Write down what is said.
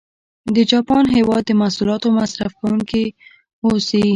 د جاپان هېواد د محصولاتو مصرف کوونکي و اوسي.